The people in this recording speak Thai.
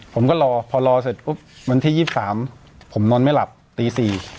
ผมก็รอพอรอเสร็จอุ๊บวันที่ยี่สิบสามผมนอนไม่หลับตีสี่